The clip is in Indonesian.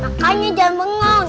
makanya jangan bengong